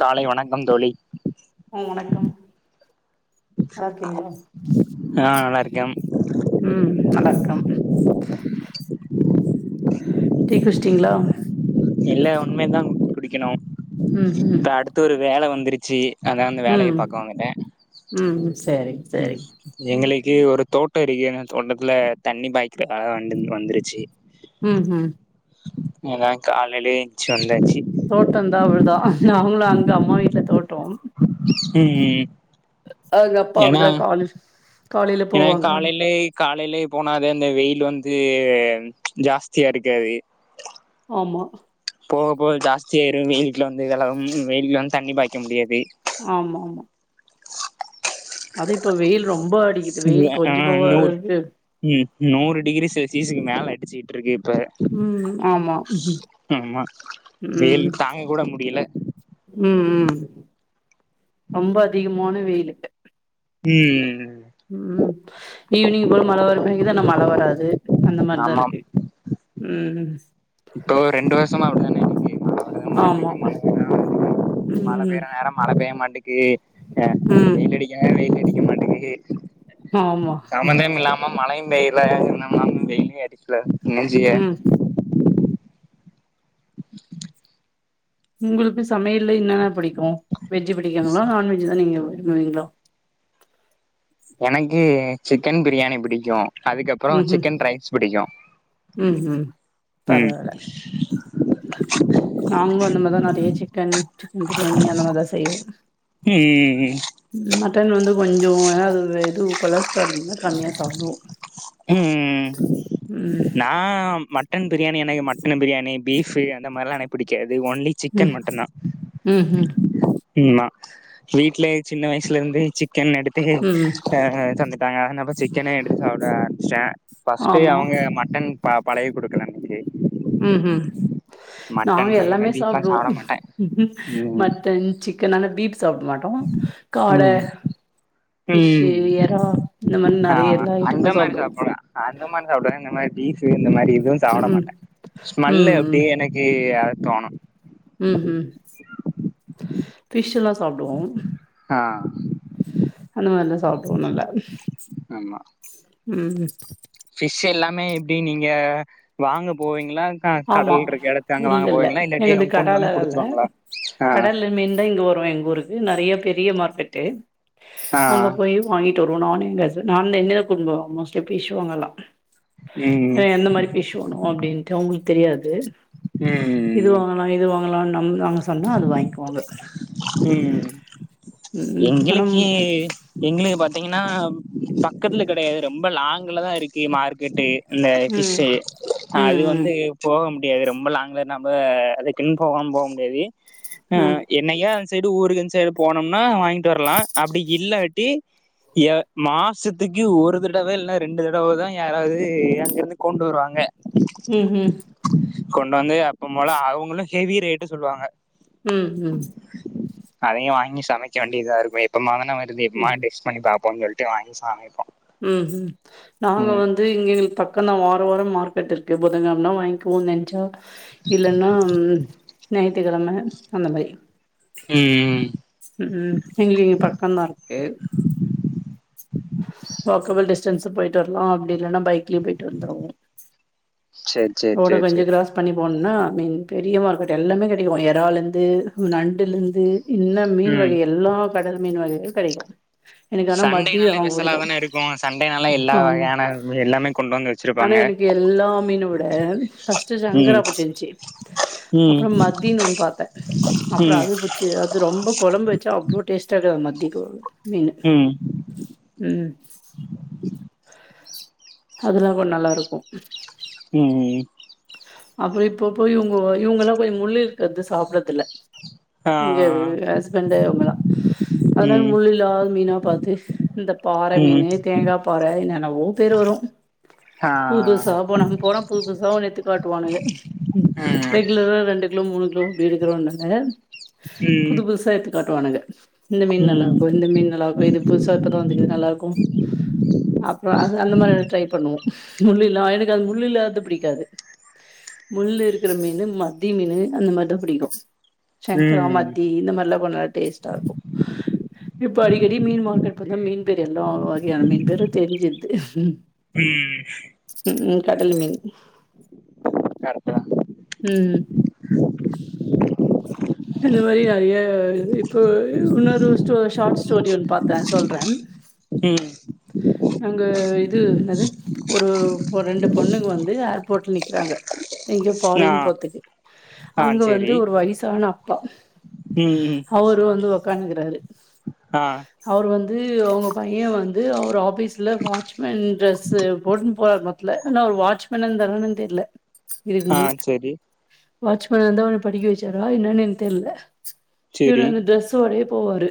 காலை வணக்கம் தோழி ம் வணக்கம் நல்லா இருக்கீங்களா ஆ நல்லா இருக்கே ம் நல்லாருக்கம் டீ குடிச்டிங்களா இல்ல இனிமே தா குடிக்கணும் ம் ம் இப்ப அடுத்து ஒரு வேலை வந்துருச்சி அதா அந்த வேலய ம் பாக்கவந்துட்டே ம் சேரிங் ம் சேரிங் எங் எங்களுக்கு ஒரு தோட்ட இருக்கி தோட்டத்துல தண்ணி பாய்க்கிறதுக்காக வந் வந்துருச்சி ம்ஹீம் அதா காலலேயே ஏஞ்சு வந்தாச்சு தோட்டம் தா விழுதோ நாங்களும் அங்க அம்மா வீட்ல தோட் ம்ம் அங்க அப்பா அப்படிதா காலே ஏன்னா காலையிலய காலையிலயே போனாதா இந்த வெயில் வந்து அது ஜாஸ்தியா இருக்காது ஆமா போக போக ஜாஸ்தியாயிடு வெயில் வீட்ல வந்து வலவும் வெயில்லா தண்ணி பாய்க்க முடியாது ஆமா ஆமா அது இப்ப வெயில் ரொ ஆ நூற் ம் நூறு டிகிரி செல்சியஸக்கு மேல அடிச்சிகிட்டு இருக்கு ப்ப ம் ஆமா ம் ஆமா வெயில் தாங்க கூட முடியல ம் ம் ரொம்ப அதிகமான வெயிலு ம் ம் ஈவினிங்க் போல மழ வருதுங்குது ஆனா மலழவராது அந்த ஆமாம் மாரிதாருக்கு ம்ம் இப்போ ரெண்டு வருஷமா அப்டிதானே இருக்கு ஆமா. [inaudible] மழ ம். பெய்ர நேர மழ பெய்ய மாட்டேக் எ ம். வெயில் அடிக்கன வெயில் அடிக்க மாட்டேங்கிது ஆமா. சம்பந்தமே இல்லாம மழையும் பெய்யல சம்பந்தம் இல்லாம வெயிலும் அடிக்கல என்ன ஜெய்ய ம். உங்களுக்கு சமையல்ல என்னன்னா புடிக்கு வெஜ் புடிக்குங்களா நான்வெஜ் தா புடிக்குமா நீங்களா எனக்கு சிக்கன் பிரியாணி புடிக்கு அதுக்கப்றோ ம்ஹ்ம். சிக்கன் ரைஸ் பிடிக்கு ம்ஹ்ம். ம் நாங்களு அந்த மாரிதா நெறைய சிக்கன் சிக்கன் பிரியாணி அந்த மாரிதா செய்வோ ம் ம் மட்டன் வந்து கொஞ்சோ ஏது எது கொலஸ்ட்ரால்னு கம்மியா சாப்டுவோ ம் ம் ம் நா மட் மட்டன் பிரியாணி எனக்கு மட்டன் பிரியாணி பீஃப் அந்த மாரிலா எனக்கு புடிக்காது ஓன்லி ம். சிக்கன் மட்டுதா ம்ஹ்ம். உம்மா வீட்ல சின்ன வயசுல இருந்து சிக் கன் எடுத்து ம். ஹ தந்துட்டாங்க அதனால சிக்கனே எடுத்து சாப்ட ஆரம்பிச்சிட்டே பஸ்ட் ஆமா. அவுங்க மட்டன் பழவி குடுக்கல எனக்கு ம் ஹ் நாங்க மட்டன் அந்த எல்லாமே மாரி பீஃப்லா சாப்டுவோ சாப்ட மாட்டே ம் மட்டன் சிக்கன் நாங்க பீஃப் சாப்ட மாட்டோ காட ஃபிஷ்ஷு ம்ம்ம் எறா இந்த மாரி நெறைய எல்லா அந்த ஐட்டமு மாரி சாப்டுவோ சாப்டலா அந்த மாரி சாப்டுவே இந்த மாரி பீஃப் இந்த மாரி எதுவு சாப்ட ம் மாட்டே ஸ்மெல்லு ம் அப்டியே எனக்கு தோணு ம் ஹ்ம் பிஷ்லா சாப்டுவோ ஆஹ் அந்த மாரில்லா சாப்டுவோ நல்ல ஆமா ம் ஃபிஷ் எல்லாமே எப்டி நீங்க வாங்க போவீங்களா ஆமா கடல் இருக்கு இடத்து அங்க இல்ல வாங்க இல்ல போவீங்களா இல்லாட்டி எங்கள்து கொண்டு வந்து கடாலலா இல்ல குடுத்துருவாங்களா ஆஹ் ப்றோ எங்க ஊருக்கு நெறையா பெரிய மார்க்கெட்டு ஆ ஆ அங்க போய் வாங்கி ட்டு வருவோ நானு எங்க ஹஸ் நான் என்னைய தா கூப்டுபோவங்க மோஸ்ட்லி பீஸ் வாங்கலா ம் ஆஹ் எந்த மாரி பீஸ் வாங்கனும்ன்ட்டு அவுங்களுக்கு தெரியாது இது ம் வாங்கலா இது வாங்கலாம்னு நம் நாங்க சொன்னா அது வாங்கிக் ம் ம் ஆனா ம் எங்களுக்கீ எங்களுக்கு பாத்தீங்கன்னா பக்கத்துல கெடையாது ரொம்ப லாங்க்லதா இருக்கு மார்க்கெட்டு் இந்த ம் ஃபிஷ்சு அது ம் வந்து போகமு டியாது ரொம்ப லாங்ல நம்ம அது கின் போகனு போக முடியாது ம் என்னையா அன்சைடு ஊருக்கு அன் சைடு போனோம்னா வாங்கிட்டு வரலா அப்டி இல்லாட்டி எ மாசத்துக்கு ஒரு தடவ இல்லன்னா ரெண்டு தடவதா யாராவது அங்கருந்து கொண்டு வருவாங்க ம் ம் கொண்டாந்து அப்பம் போல அவங்களு ஹெவி ரேட்டு சொல்லுவாங்க ம் ம் அதயையு வாங்கி சமைக்க வேண்டியதா இருக்கு எப்பமோ தானே வருது எப்பமா ம், டெஸ்ட் பண்ணி பாப் போனு சொல்லிட்டு வாங்கி சமைப்போ ம் ம் நாங்க வந்து இங்க எங்ளுக் பக் கோ தா வார வாரம் மார்க்கெட் இருக்கு புதன் கிழமனான வாங்கிப்போ நென்ச்சா இல்லன்னா ஞாயித்து கிழம அந்த மாரி ம் ம் ம் எங்களுக்கு இங்க பக்கம் வாக்கபுள் டிஸ்டன்ஸு போய்ட்டு வர்லா அப்டி இல்லன்னா பை க்ல போய்ட்டு வந்திருவோ சேரி சேரி ரோட சேரி கொஞ்ச சேரி க்ராஸ் பண்ணி போனா மீன் பெரிய மார்க்கெட் எல்லாமே கெடைக்கு எறாலந்து நண்டுலிந்து இன்ன மீன் ம் வகை எல்லா கடல் மீன் வகைளு கெடைக்கு எனக் ஆனா மத் சண்டேனாலே திதா ஸ்பெஷலா புடிக்கு தான இருக்கு சண்டேனால எல்லா ஆமா வகையான எல்லாமே கொண்டு வந்து ஆனா வச்சிருப்பாங்க எனக்கு எல்லா மீன விட ஃபஸ்ட்டு ம் சங்கராபுட்ச்சின்ச்சு ம் அப்புறம் மத்தீன் ஒன் பாத்த அப்புறோ அது புட்ச்சி அது ரொம்ப கொழம் வச்சா அவ்ளோ டேஸ்ட்டாக மத்தி கொ மீன்னு ம் ம் அதுலா கொன் நல்லா இருக்கு ம் ம் அப்றோ இப்ப போய் இவுங்கோ வா இவுங்கலா போய் முள் இருக்கற்து சாப்றதில்ல எங்க ஆ ஹஸ்பண்டு அவுங்களா அதுனால ம் முள் இல்லாது மீனா பாத்து இந்த பாற ம் மீனு தேங்கா பாற என்னென்னவோ பேரு வரு ஆ புதுசா போன் அங்கு போனா புது புதுசா ஒன்னு எட்த்து வானுக ம் ரெகுலரா ரெண்டு கிலோ மூணு கிலோவு அப்டி எடுக்கிறோ நாங்க புது புதுசா எடுத்து காட்டுவானுங்க இந்த மீன் நல்லா ம் ம் இருக்கு இந்த மீன் நல்லா இருக்கும் இது புதுசா இப்பதா வந்துக்கிது நல்லா இருக்கு அப்றோ அது அந்த மாதிரி ட்ரை பண்ணுவோ முள்ளு இல்லா எனக்கு அது முள்ளில்லாது பிடிக்காது முள்ளு இருக்கிற மீனு மத்தி மீனு அந்த மாரிதா பிடிக்கு சங்ரா ம் மத்தி இந்த மாரிலா கொன் நல்லா டேஸ்ட்டா இருக்கு இப்போ அடிக்கடி மீன் மார்க்கெட் வந்தா மீன் பேர் எல்லா வகையான மீன் பேரு தெரிஞ்சிர்து ம் ம் கடல் மீன் கருட்டா ம் இந்த மாரி நறையா இது இப்போ இன்னொரு ஸ்டோ ஷாட் ஸ்டோரி ஒன்னு பாத்த சொல்றேன் ம் அங்க இது என்னது ஒரு போ ரெண்டு பொண்ணுங் வந்து அ போட்டு நிக்கிறாங்க எங்யோ ஆ ஃபாரின் போத்துக்கு ஆ அங்க வந்து சேரி ஒரு வய்சான பா ம் அவரு வந்து ஒக்காந்துகிறாரு ஆ அவர் வ ந்து அவுங்க பையன் வந்து அவரு ஆபீஸ்ல வாட்ச்மேன் ட்ரெஸ்ஸு போட்ன் போறார் மத்ல ஆனா அவரு வாட்ச்மனா இருந்தாரானன் தெர்ல இதுக்கு ஆ முன்ன சேரி வாட்ச்மேனா இர்ந்தா ஒன்ன படிக்க வச்சாரா என்னன் என் தெர்ல இவரு சேரி அந்த ட்ரெஸ்ஸோடயே போவாரு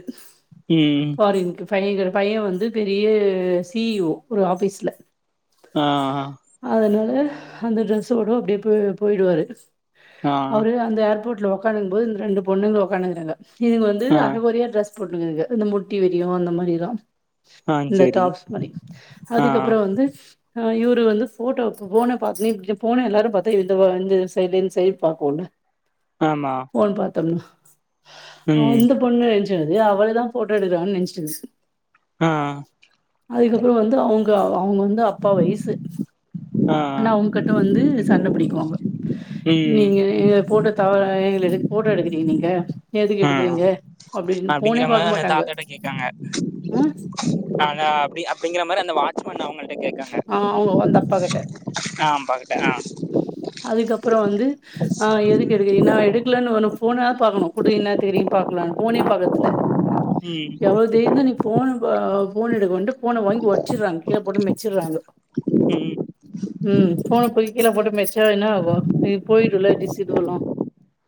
ம் பைங்கிரு பையன் வந்து பெரிய சி இ ஓ ஒரு ஆபீஸ்ல ஆ அதனால அந்த ட்ரெஸ்ஸோடோ அப்டியே போ போய்டுவாரு ஆ அவரு அந்த ஏர்போட்ல ஒக்காந்திங்குபோது இந்த ரெண்டு பொண்ணுங்ள ஒக்காந்திங்குறாங்க இதுங்க வந்து ஆ அரகொறையா ட்ரெஸ் போட்டுங்கிதுங்க இந்த முட்டி வெரியு அந்த மாரிலா ஆ இந்த சேரி டாப்ஸ் மாரி ஆ அதுக்கப்புறோ வந்து ஆ இவரு வந்து ஃபோட்டாவ்க்கு போன பாத்துனே இப்டி போன எல்லாரு பாத்தா எட்த்தாப்பா அந்த சைடு இன்சைட் பாக்கோல ஆமா தம்மா ம் அந்த பொண்ணு நென்ச்சது அவளதான் ஃபோட்டா எடுக்குறானகன் நென்ஸ்ட்டிருகுது ஆ அதுக்கப்புறம் வந்து அவ்ங்க அவுங்க வந்து அப்பா வய்சு ஆ ஆனா அவுங்கிட்ட வந்து சண்ட பிடிக்குவாங்க ம் நீங்க எங்கள போட்டு தவறா எங்கள எடு போட்டோ எடுக்குறீங்க நீங்க எதுக்கு ஆ எடுக்குறீங்க அப்டின்னு போனே அப்டிங்கிற மாரி பாக்க அந்த மாட்டாங்க தாத்தாட்ட கேக்காங்க ம் அதா அப்டி அப்டிங்ற மாரி அந்த வாட்சமன் அவுங்கள் ஆ அவுங்க வந்தப்பா கிட்ட ஆ பாக்கட்ட ஆ அதுக்கப்புறோ வந்து ஆ எதுக்கு எடுக்குரா நா எடுக்கலன்னு ஒன ஃபோனா பாக்கணுமகுடுங்க என்னாத்துக்ரீல் பாக்கலான்னு போனே பாக்குறதில்ல ம் எவ்வள தைரியருந்தா நீ போ போன் எடுக்கவந்து போனை வாங்கி வோட்ச்சறாங்க கீழ போட்டு வச்சிராறு ம் ம் போன போயி கீழ போட்ட மெச்சா என்ன ஆகு போயிட்டுல்ல டிஷ் இதுவல்லா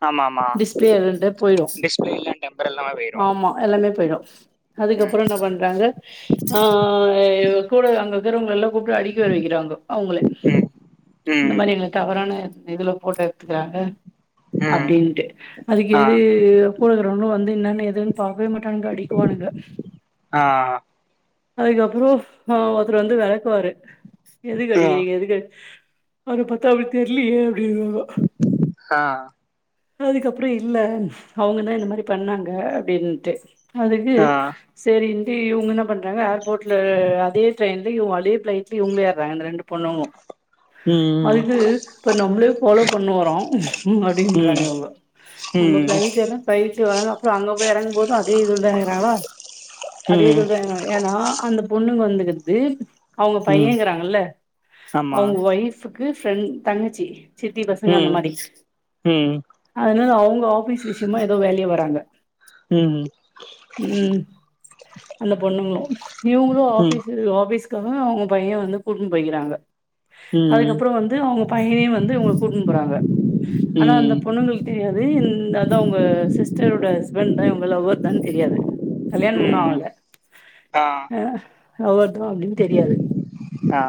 ஆமா ஆமா டிஸ்பிளே ரெண்டே போயிடு டிஸ்பிளே எல்லா டெம்பர் எல்லாமே போயிரு ஆமா எல்லாமே போயிடு அதுக் ம் அதுக்கப்பற என்ன பண்றாங்க ஆ எ கூட அங்கக்கிறவங்கள எல்லா கூப்ட்டு அடிக்க வேற வைக்கிறாங்கோ அவங்களே ம் இந்த ம் மாரி எங்கள தவறான இதுல போட்டோ எடுத்துக்கிறாங்க ம் அப்படின்ட்டு அதுக்கு ஆ எது போலகிறோங்களு வந்து என்னன்னு எதுன்னு பாக்கவே மாட்டானுங்க அடிக்குவானுங்க ஆ அதுக்கப்புற அ ஒருத்தர் வந்து வெளக்குவாரு எதுக்கு ஆ அடிக்கிறீங்க எதுக்கு அடிக் அவர பாத்தா அப்படி தெர்லயே அப்டிகுவாங்க ஆ அதுக்கப்புற இல்ல அவங்கதா இந்த மாரி பண்ணாங்க அப்படின்ட்டு அதுக்கு ஆ சரின்டு இவங்க என்ன பண்றாங்க ஏர்போர்ட்ல அதே ட்ரெயின்லியு இவளி பிளைட்லய இவங்களே ஏறாங்க இந்த ரெண்டு பொண்ணுங்களு ம் அதுக்கு இப்ப நம்ளே ஃபாலோ பண்ணுவாரா அப்டின்றாங்க ம் இவங்க நம்ம ம் பிளைட் எல்லா பிளைட் டுவறாங்க அப்புற அங்க போய் எறங்கு போது அதே இதுலதா எறாங்களா அதே ம் இதுலாதா எறங்க ஏன்னா அந்த பொண்ணுங்க வந்துங்கிறது அவங்க ம் பையங்கறாங்கல்ல ஆமா அவங்க ஒய்ஃப் கு ஃபிரெண் தங்கச்சி சித்தி பசங்க அந்த ம் மாறி ம் அதுனால அவு ங்க ஆபிஸ் விஷயமா ஏதோ வேலையா வராங்க ம் ம் அந்த பொண்ணுங்களு இவங்களு ம் ஆஃபீஸ் ஆஃபீஸ்காக அவங்க பைய வந்து கூட்னு போய்கிறாங்க ம் அதுக்கப்பற வந்து அவங்க பையனையு வந்து இவங்க கூட்டுனு போறாங்க ஆனா அந்த ம் பொண்ணுங்களுக்கு தெரியாது இந்த அதா உங்க சிஸ்டரோட ஹஸ்பண்ட் தா இவங்க லவ்வர் தா தெரியாது கல்யாணம் இன்னும் ம் ஆகல ஆ அ ஒவ்வொருத்தவங்களு அப்டின் தெரியாது ஆ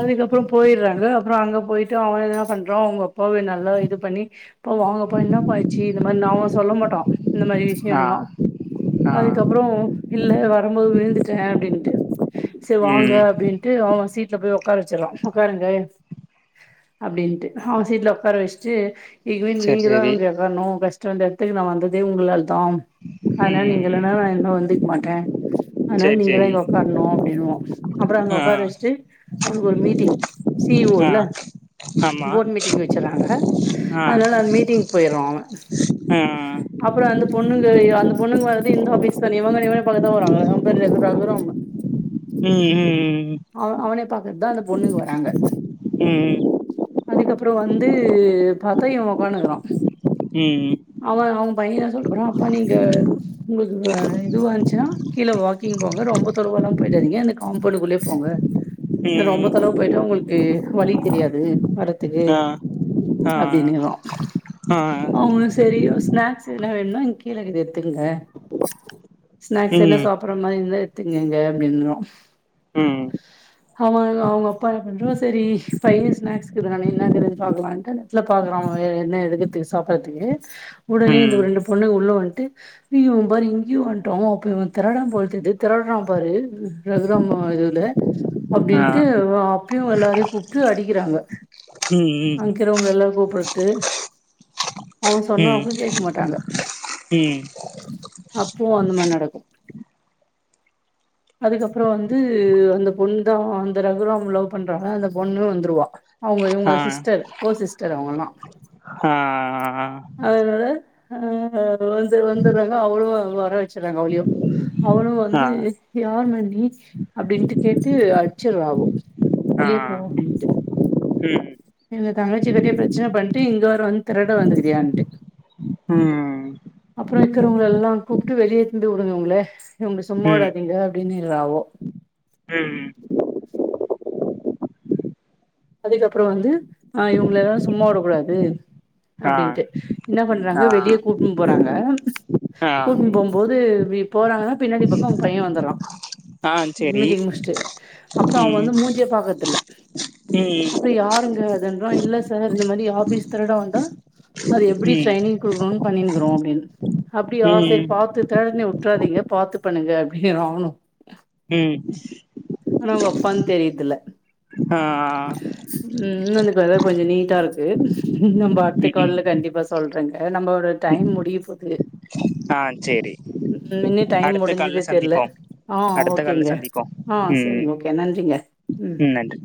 அதுக்கப்பற போயிறாங்க அப்புற அங்க போயிட்டு அவ என்ன பண்றா அவங்க போவே நல்லா இது பண்ணி பா வாங்கப்ப என்னபா ஆச்சு இந்த மாரி அவங்க சொல்ல மாட்டோ இந்த மாரி ஆ விஷயலா ஆ அதுக்கப்புற இல்ல வரும்போது ந்துட்ட அப்டின்ட்டு சேரி வாங்க ம் அப்டின்ட்டு அவ சீட் டல போய் ஒக்கார வச்சிரா ஒக்காருங்க அப்டின்ட்டு அவ சீட்ல ஒக்கார வச்சுட்டு இதுவே செரி நீங்க தா செரி கேக்கணு கஷ்ட வந்த எடத்துக் நா வந்ததே உங்களால தாம் அதனால நீங்க ம் இல்லனா நா இன்ன வந்துக் மாட்டே அதனால செரி நீங்க தா செரி இங்க ஒக்காரனு அப்படின்னுவா அப்புற அங்க ஆ ஒக்கார வச்சுட்டு அவனுக்கு ஒரு மீட்டிங் சி இ ஓ ஆ ல ஆமா போட் மீட்டிங் வச்சறாங்க ஆ அதனால அந்த மீட்டிங் போயிருவா அவ ஆ அப்புற அந்த பொண்ணுங்க அந்த பொண்ணுங்க வந் இந்த ஆபீஸ் தானு இவன இவன பாக்க தா வராங்க அவ பேரு ரகு ரகுராமு ம் ம் அவ அவனே பாக்கதா அந்த பொண்ணுங்க வராங்க அதுக்கப் ப்புற வந்து பாத்தா இவ ஒக்கான்னுகிறா ம் ம் அவ அவ பைய என்ன சொல்ட்டு போறா பா நீங்க உங்களுக்கு இதுவா இன்ச்சுன்னா கீழ வாக் கிங் போங்க ரொம்ப தொலவால எல்லா போயிடாதீங்க இந்த காம்பவுண்டுக்குள்ளயே போங்க ரொம்ப ம் தொலவு போயிட்டா உங்களுக்கு வழி தெரியாது வரதுக்கு ஆ ஆ அப்டின்னிறோ ஆ அவங்களுக் சரி ஸ்னாக்ஸ் என்ன வேனா கீழ இருக்கு எடுத்துங்க ஸ்நாக்ஸ் என்ன ம் சாப் என்ன எத்தீங்க எங்க அப்டினு ம் அவ அவுங்க அப்பா என் பண்றோ சேரி பைய ஸ்நாக்ஸ் க்றானே என்ன இருக்குதுனு பாக்கலான்ட்டு நெட்ல பாக்குறா என்ன எடுக்குறதுக்கு சாப்பிடறதுக்கு உடனே இந்த ம் ஒரு ரெண்டு பொண்ணுக உள்ள வந்ட்டு யோ இவ பாரு இங் இயோ வன்டோ அப்பே வந் திரட போழ் தெர்து திரடுறா பாரு ரகுராம் இதுல ஆ அப்டின்ட்டு ரா ப்புயு எல்லாரயு கூப்ட்டு அடிக்கிறாங்க ம் அங்கிறவங்க எல்லார் கூப்ட டு அவ சொன்ன ம் அப்பளு கேக்க மாட்டாங்க ம் அப்பவு அந்த மாரி நடக்கு [inaudible] அதுக்கப்புற வந்து அந்த பொண்ணு தா அந்த ரகுராம் லவ் பண்றால அந்த பொண்ணு வந்துருவா அவுங்க இவுங்க சிஸ்டர் கோ சிஸ்டர் அவுங்கலா ஆ ஆ ஆ அதனால ஆ வந்து வந்துடுறாங்க அவளு வர வச்றாங்க அவளையு அவளு வந்து ஆ யார் நா நீ அப்டின்ட்டு கேட்டு அடிச்சுறுவா அவோ ஆ வெளிய போ அப்டின்ட்டு ம் எங்க தங்கச்சி பத்தியே பிரச்சன பண்ட்டு இங்க வேற வந்து திருட வந்துருக்கியான்டு ம் ம் அப்புற இருக்கிறவுங்கள எல்லா கூப்ட்டு வெளியே [unintelligible] விடுங்கவுங்களே இவங்க சும்மா ம் விடாதீங்க அப்டினு ஆவோ ம் அதுக்கப்புற வந்து ஆ இவுங்கள எல்லா சும்மா விடக் கூடாது ஆ அப்டின்ட்டு என்ன பண்றாங்க ஆ வெளிய கூட்டுனு போறாங்க ஆ கூட்டுனு போம்போது வி போறாங்கனா பின்னாடி பக்க அவுங் பைய வந்தர்ரா ஆ செரி மீட்டிங் முடிச்சுட்டு அப்புற அவுங்க ம் வந்து மூஞ்சிய பாக்றதுல ம் அப்புற யாருங்க அது இன்றோ இல்ல சார் இந்த மாரி ஆபீஸ் திருட வந்தா அது எப்டி ம் ட்ரைனிங் குடுக்கணுனு பண்ணினுக்றோ அப்டினு அப்டியா சரி ம் பாத்து தனு ற்றாதீங்க பாத்து பண்ணுங்க [unintelligible] ஆணு ம் ஆனா ஒங்க அப்பானு தெரியுதுல ஆ ஆ ஆ ப்பதா கொஞ்ச நீட்டா இருக்கு நம்ப அடுத்த ம் ம் கால்ல கண்டிப்பா ஸ் தொல்றங்க நம்போட டைம் முடிய போது ஆ சேரி டைம் அடுத்த கால்ல முடிஞ்சதே தெர்ல சந்திப்போம் ஆ அடுத்த கால்ல ஓகேங்க சந்திப்போம் ஆ ம் ம் சரிங்க ஓகே நன்றிங்க ம் நன்றி